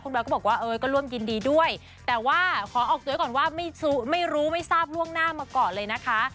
แววก็บอกว่าเออก็ร่วมยินดีด้วยแต่ว่าขอออกตัวก่อนว่าไม่รู้ไม่ทราบล่วงหน้ามาก่อนเลยนะคะ